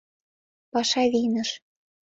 Паша вийныш.